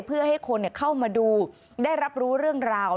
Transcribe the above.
เพื่อให้คนเข้ามาดูได้รับรู้เรื่องราว